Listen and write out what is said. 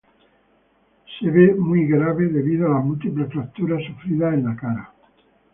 Se ve muy grave debido a las múltiples fracturas sufridas en su cara.